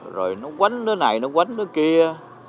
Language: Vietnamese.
rồi nó quánh nó này nó quánh nó kia